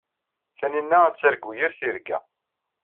Tanina ad targu yir tirga.